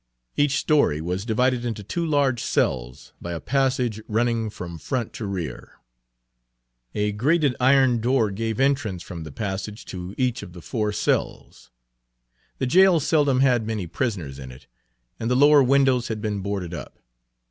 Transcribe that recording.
Each story was divided into two large cells by a passage running from front to rear. Page 76a "WE'LL BU'S' THE DO' OPEN" Page 77 A grated iron door gave entrance from the passage to each of the four cells. The jail seldom had many prisoners in it, and the lower windows had been boarded up.